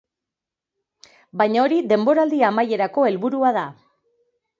Baina hori denboraldi amaierako helburua da.